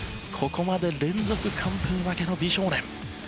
ここまで連続完封負けの美少年。